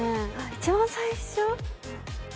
一番最初？